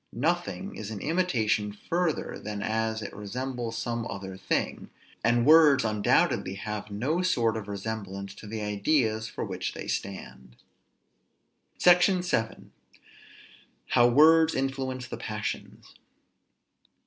Nothing is an imitation further than as it resembles some other thing; and words undoubtedly have no sort of resemblance to the ideas for which they stand. SECTION VII. HOW WORDS INFLUENCE THE PASSIONS.